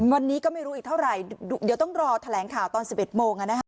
วันนี้ก็ไม่รู้อีกเท่าไหร่เดี๋ยวต้องรอแถลงข่าวตอน๑๑โมง